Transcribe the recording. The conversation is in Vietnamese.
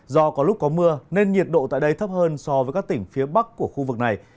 do có lúc có mưa nên nhiệt độ tại đây thấp hơn so với các tỉnh phía bắc của khu vực này